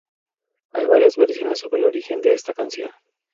Hay varias versiones sobre el origen de esta canción.